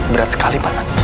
berat sekali banget